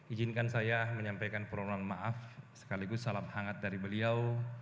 izinkan saya menyampaikan permohonan maaf sekaligus salam hangat dari beliau